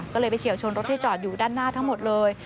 ก็เลยไปเฉียวชนรถที่จอดอยู่ด้านหน้าทั้งหมดเลย